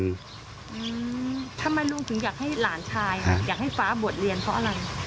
ทำไมลุงถึงอยากให้หลานชายค่ะอยากให้ฟ้าบวชเรียนเพราะอะไร